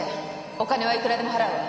お金はいくらでも払うわ。